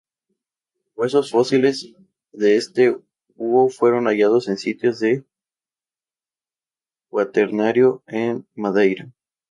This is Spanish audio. Huesos fósiles de este búho fueron hallados en sitios del Cuaternario en Madeira.